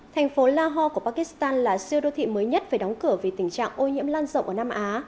thành phố lahore của pakistan là siêu đô thị mới nhất phải đóng cửa vì tình trạng ô nhiễm lan rộng ở nam á